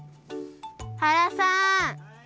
原さん！